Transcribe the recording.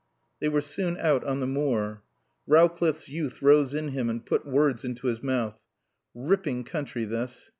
They were soon out on the moor. Rowcliffe's youth rose in him and put words into his mouth. "Ripping country, this."